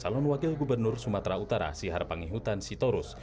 calon wakil gubernur sumatera utara sihar pangihutan sitorus